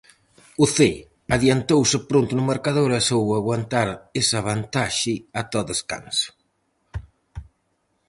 O Cee adiantouse pronto no marcador e soubo aguantar esa vantaxe ata o descanso.